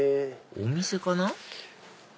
お店かな？